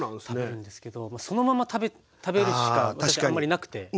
そのまま食べるしかあんまりなくて。